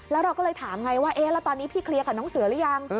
แล้วเราก็เลยถามไงว่าเอ๊ะแล้วตอนนี้พี่เคลียร์กับน้องเสือหรือยัง